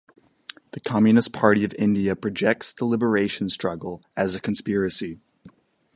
The Communist Party of India projects the Liberation Struggle as a conspiracy.